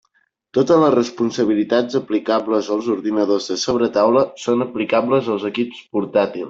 Totes les responsabilitats aplicables als ordinadors de sobretaula són aplicables als equips portàtils.